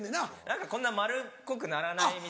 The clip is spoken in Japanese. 何かこんな丸っこくならないみたいです。